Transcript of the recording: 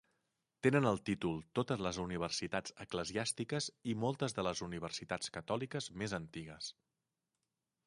Tenen el títol totes les universitats eclesiàstiques i moltes de les universitats catòliques més antigues.